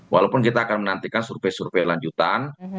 walaupun kita akan menantikan survei survei lanjutan